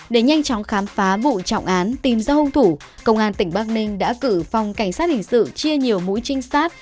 để nhanh chóng khám phá vụ trọng án tìm ra hôn thủ công an tỉnh bắc ninh đã cử phòng cảnh sát hình sự chia nhiều mũi trinh sát